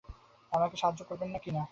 আমাকে সাহায্য করবেন কি না?